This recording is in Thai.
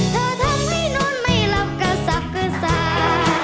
ถ้าทำให้โน้นไม่รับกษักษา